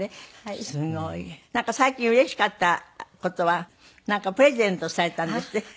なんか最近うれしかった事はプレゼントされたんですって？